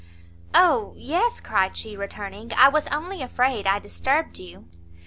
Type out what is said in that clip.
"O yes," cried she, returning; "I was only afraid I disturbed you."